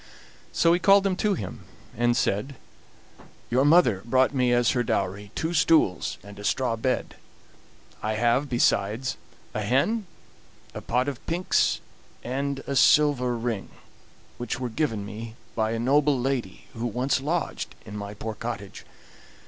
So he called them to him, and said: "Your mother brought me as her dowry two stools and a straw bed; I have, besides, a hen, a pot of pinks, and a silver ring, which were given me by a noble lady who once lodged in my poor cottage.